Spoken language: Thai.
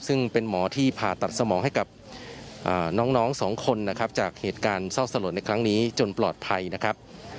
ซึ่งเป็นหมอที่ผ่าตัดสมองให้กับน้องสองคนนะครับจากเหตุการณ์เศร้าสลดในครั้งนี้จนปลอดภัยนะครับ